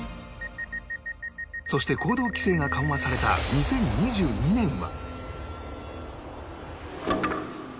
そして行動規制が緩和された２０２２年は